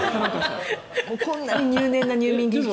こんなに入念な入眠儀式。